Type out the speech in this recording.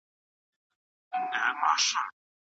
زموږ مشران باید په خپلو خبرو کې صادق وي.